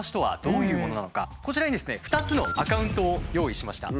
こちらにですね２つのアカウントを用意しました。